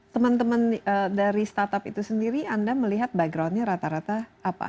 teman teman dari startup itu sendiri anda melihat backgroundnya rata rata apa